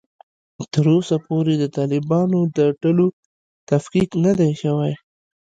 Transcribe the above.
تر اوسه پورې د طالبانو د ډلو تفکیک نه دی شوی